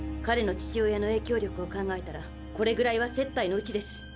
彼の父親の影響力を考えたらこれぐらいは接待のうちです。